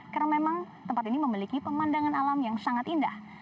karena memang tempat ini memiliki pemandangan alam yang sangat indah